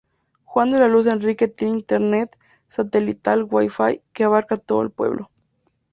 Juan de la Luz Enríquez tiene internet satelital Wi-fi que abarca todo el pueblo.